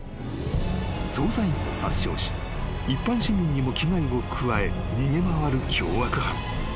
［捜査員を殺傷し一般市民にも危害を加え逃げ回る凶悪犯］